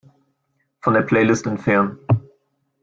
Von der Playlist entfernen.